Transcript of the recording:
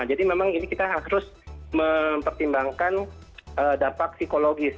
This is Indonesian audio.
jadi memang ini kita harus mempertimbangkan dampak psikologis